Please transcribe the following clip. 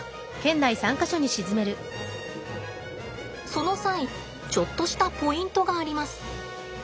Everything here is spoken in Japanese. その際ちょっとしたポイントがあります。